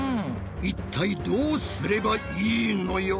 一体どうすればいいのよ！